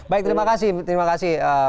baik terima kasih terima kasih